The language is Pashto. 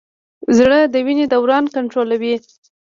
زړه د وینې دوران کنټرولوي.